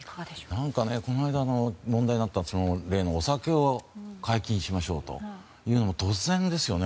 この間、問題になった例の、お酒を解禁しましょうというのも突然ですよね。